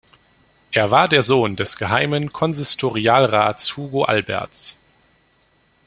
Er war der Sohn des Geheimen Konsistorialrats Hugo Albertz.